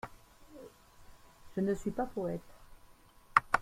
Je ne suis pas poète.